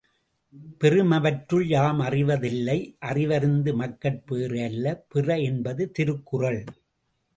பெறுமவற்றுள் யாமறிவ தில்லை அறிவறிந்த மக்கட்பேறு அல்ல பிற என்பது திருக்குறள்.